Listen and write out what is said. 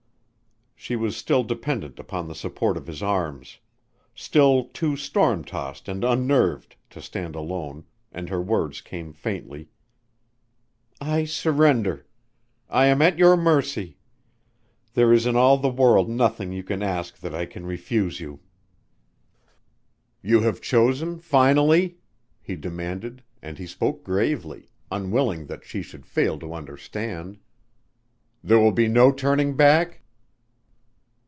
'" She was still dependent upon the support of his arms: still too storm tossed and unnerved to stand alone and her words came faintly. "I surrender. I am at your mercy.... There is in all the world nothing you can ask that I can refuse you." "You have chosen finally?" he demanded and he spoke gravely, unwilling that she should fail to understand. "There will be no turning back?"